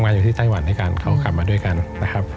อยู่ที่ไต้หวันด้วยกันเขากลับมาด้วยกันนะครับ